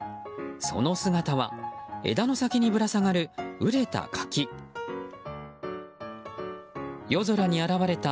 その姿は枝の先にぶら下がる熟れた柿。